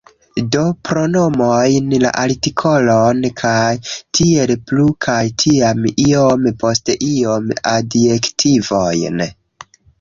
Do, pronomojn, la artikolon kaj tiel plu kaj tiam iom post iom adjektivojn